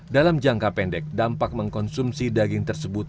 dalam jangka pendek dampak mengkonsumsi daging tersebut